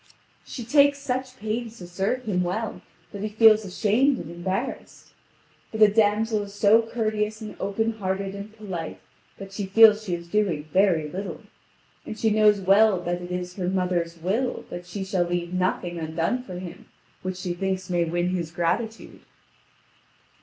She takes such pains to serve him well that he feels ashamed and embarrassed. But the damsel is so courteous and open hearted and polite that she feels she is doing very little. And she knows well that it is her mother's will that she shall leave nothing undone for him which she thinks may win his gratitude.